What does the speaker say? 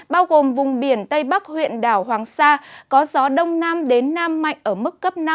bao gồm vùng biển tây bắc huyện đảo hoàng sa có gió đông nam đến nam mạnh ở mức cấp năm